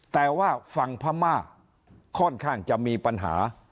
แต่ว่าฝั่งพม่าค่อนข้างจะมีปัญหา